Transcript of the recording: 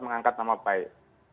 mengangkat nama baik